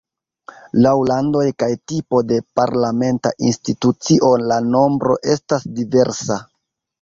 Laŭ landoj kaj tipo de parlamenta institucio la nombro estas diversa.